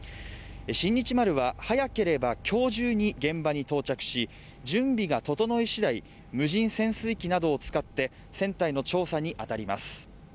「親日丸」は早ければ今日中に現場に到着し準備が整いしだい、無人潜水機などを使って船体の調査に当たります。